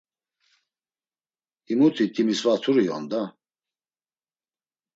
Himuti Timisvaturi on da!